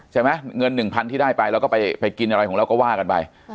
เงิน๑๐๐๐ที่ได้ไปเราก็ไปกินอะไรของเราก็ว่ากันไป